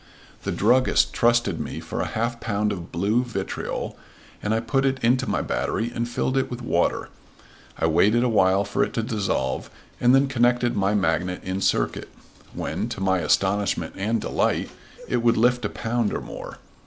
The druggist trusted me for a half pound of "blue vitriol," and I put it into my battery and filled it with water. I waited awhile for it to dissolve, and then connected my magnet in circuit, when to my astonishment and delight it would lift a pound or more.